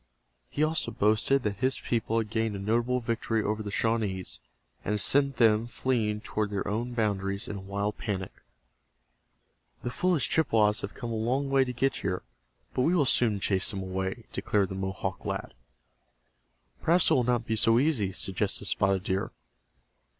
He also boasted that his people had gained a notable victory over the Shawnees, and had sent them, fleeing toward their own boundaries in a wild panic. "The foolish Chippewas have come a long distance to get here, but we will soon chase them away," declared the Mohawk lad. "Perhaps it will not be so easy," suggested Spotted Deer.